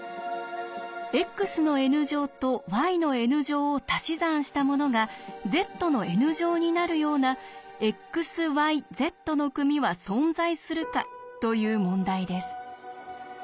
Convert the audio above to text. ｘのｎ乗とｙのｎ乗をたし算したものがｚのｎ乗になるようなｘｙｚの組は存在するか？という問題です。